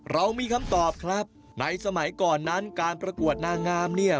เรามีคำตอบครับในสมัยก่อนนั้นการประกวดนางงามเนี่ย